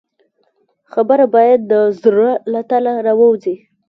خبره باید د زړه له تله راووځي.